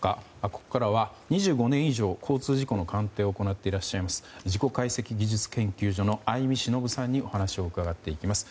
ここからは２５年以上交通事故の鑑定を行っていらっしゃいます事故解析技術研究所の相見忍さんにお話を伺っていきます。